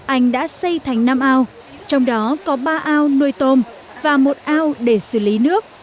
anh đã xây thành năm ao trong đó có ba ao nuôi tôm và một ao để xử lý nước